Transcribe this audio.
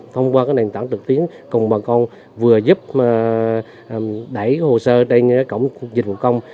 không qua cái nền tảng trực tiến còn bà con vừa giúp đẩy hồ sơ trên cổng dịch vụ công